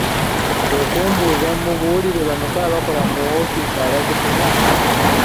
Kwe kumbuuza mmubuulire bameka abakola mu mawoofiisi abazifuna?